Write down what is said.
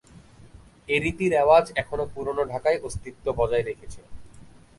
এ রীতি-রেওয়াজ এখনো পুরনো ঢাকায় অস্তিত্ব বজায় রেখেছে।